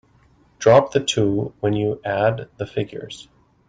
Drop the two when you add the figures.